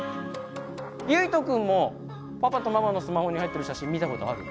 ゆいとくんもパパとママのスマホに入ってる写真見たことある？